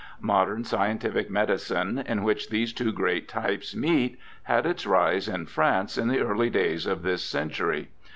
Modern scientific medicine, in which these two great types meet, had its rise in France in the early days of this century.